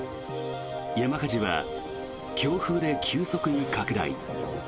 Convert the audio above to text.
山火事は強風で急速に拡大。